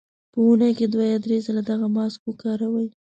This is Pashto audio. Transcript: په اونۍ کې دوه یا درې ځله دغه ماسک وکاروئ.